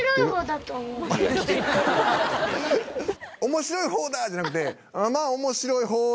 「“面白い方だ！”じゃなくて」